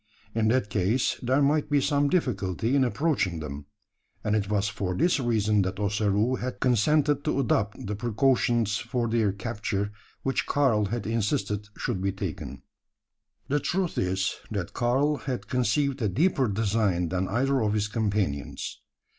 In that case there might be some difficulty in approaching them; and it was for this reason that Ossaroo had consented to adopt the precautions for their capture which Karl had insisted should be taken. The truth is, that Karl had conceived a deeper design than either of his companions.